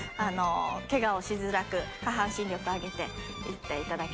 けがをしづらく下半身力を上げていっていただけたらと思います。